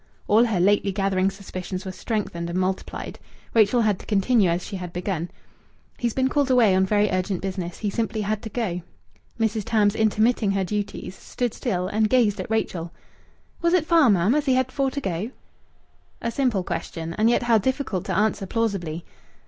All her lately gathering suspicions were strengthened and multiplied. Rachel had to continue as she had begun: "He's been called away on very urgent business. He simply had to go." Mrs. Tams, intermitting her duties, stood still and gazed at Rachel. "Was it far, ma'am, as he had for to go?" A simple question, and yet how difficult to answer plausibly!